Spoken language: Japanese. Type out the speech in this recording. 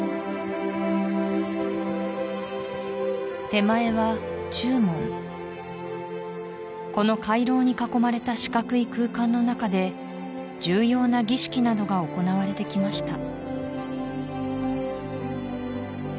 手前は中門この廻廊に囲まれた四角い空間の中で重要な儀式などが行われてきました